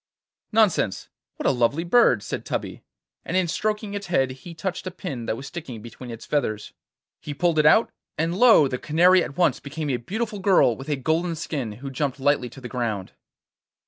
'Nonsense! What a lovely bird!' said Tubby, and in stroking its head he touched a pin that was sticking between its feathers. He pulled it out, and lo! the Canary at once became a beautiful girl with a golden skin who jumped lightly to the ground.